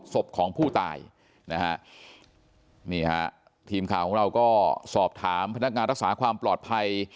ศพของผู้ตายนะฮะนี่ฮะทีมข่าวของเราก็สอบถามพนักงานรักษาความปลอดภัย